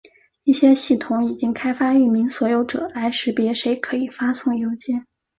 一些系统已经开发域名所有者来识别谁可以发送邮件。